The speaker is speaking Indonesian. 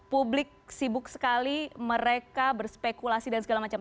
publik sibuk sekali mereka berspekulasi dan segala macam